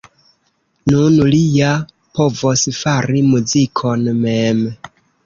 Nun li ja povos fari muzikon mem.